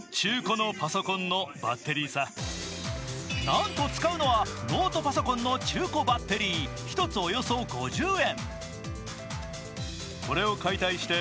なんと使うのはノートパソコンの中古バッテリー１つおよそ５０円。